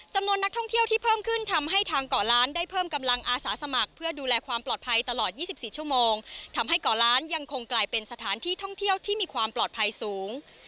จำนวนนักท่องเที่ยวที่เพิ่มขึ้นทำให้ทางเกาะล้านได้เพิ่มกำลังอาสาสมัครเพื่อดูแลความปลอดภัยตลอด๒๔ชั่วโมงทำให้เกาะล้านยังคงกลายเป็นสถานที่ท่องเที่ยวที่มีความปลอดภัยสูง